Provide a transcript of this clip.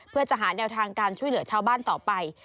เพื่อจะหาแนวทางการช่วยเหลือชาวบ้านต่อไป